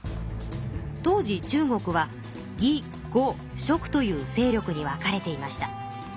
当時中国は魏呉蜀という勢力に分かれていました。